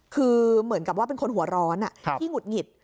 คือเหมือนกับว่าเป็นคนหัวร้อนที่หงุดหงิด